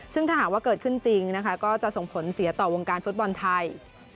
ซึ่งถ้าหากว่าเกิดขึ้นจริงนะคะก็จะส่งผลเสียต่อวงการฟุตบอลไทย